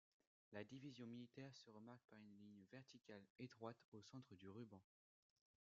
La division militaire se remarque par une ligne verticale étroite au centre du ruban.